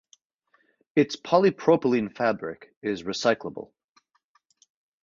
Its polypropylene fabric is recyclable.